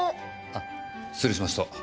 あ失礼しました。